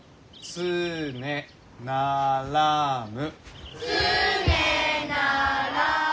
「つねならむ」。